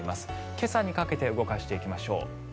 今朝にかけて動かしていきましょう。